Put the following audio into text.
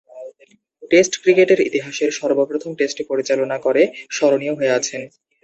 Test ক্রিকেটের ইতিহাসের সর্বপ্রথম টেস্ট পরিচালনা করে স্মরণীয় হয়ে আছেন।